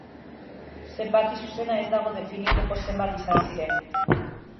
Zenbaki zuzena ez dago definitzeko zenbat izan ziren.